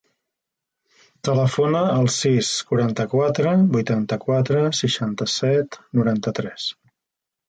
Telefona al sis, quaranta-quatre, vuitanta-quatre, seixanta-set, noranta-tres.